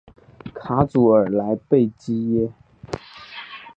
卡祖尔莱贝济耶。